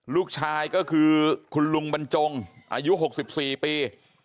ลูกชายก็คือคุณลุงบรรจงอายุ๖๔ปี